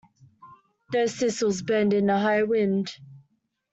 Those thistles bend in a high wind.